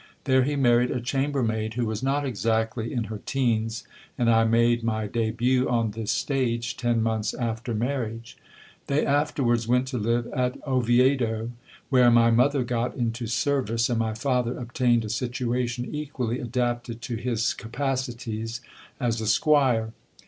There he married a chamber maid who was not exactly in her teens, and I made my debut on this stage ten months after marriage. They afterwards went to live at Oviedo, where my mother got into service, and my father obtained a situation equally adapted to his capacities as a squire.